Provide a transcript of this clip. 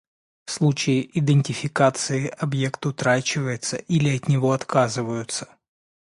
В случае идентификации объект утрачивается или от него отказываются.